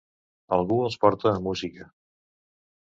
Algú els porta a música.